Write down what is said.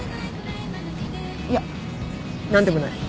いや何でもない。